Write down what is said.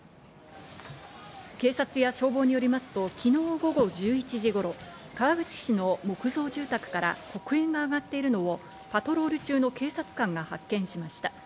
警察や消防によりますと昨日午後１１時頃、川口市の木造住宅から黒煙が上がっているのをパトロール中の警察官が発見しました。